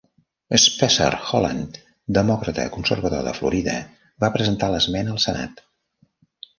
Spessard Holland, demòcrata conservador de Florida, va presentar l'esmena al Senat.